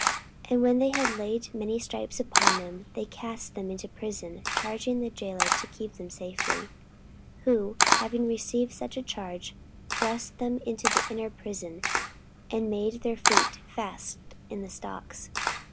44:016:023 And when they had laid many stripes upon them, they cast them into prison, charging the jailor to keep them safely: 44:016:024 Who, having received such a charge, thrust them into the inner prison, and made their feet fast in the stocks.